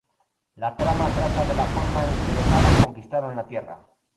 La trama trata de la forma en la que los Amos conquistaron la Tierra.